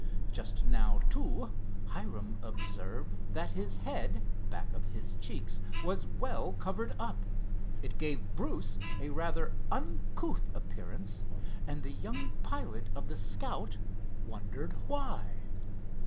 Just now, too, Hiram observed that his head back of his cheeks was well covered up. It gave Bruce a rather uncouth appearance and the young pilot of the Scout wondered why.